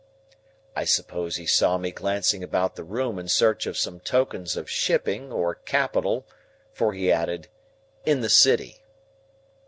I suppose he saw me glancing about the room in search of some tokens of Shipping, or capital, for he added, "In the City."